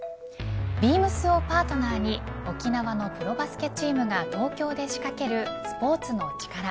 ビームスをパートナーに沖縄のプロバスケチームが東京で仕掛けるスポーツの力。